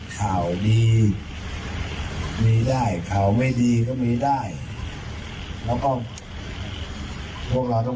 เคยโฆษณาตัวเองว่าเป็นดีหรือไม่ดีมันอยู่ที่พวกเราจะจัดสินเอาเอง